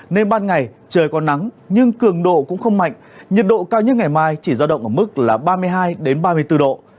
nên ban ngày trời có nắng nhưng cường độ cũng không mạnh nhiệt độ cao nhất ngày mai chỉ giao động ở mức là ba mươi hai ba mươi bốn độ